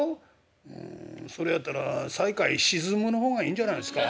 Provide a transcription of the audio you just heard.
「うんそれやったらサイカイシズムの方がいいんじゃないですか？」。